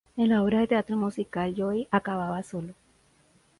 En la obra de teatro musical original Joey acababa solo.